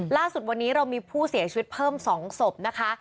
ล่าสุดวันนี้เรามีผู้เสียชีวิตเพิ่ม๒ศพนะคะ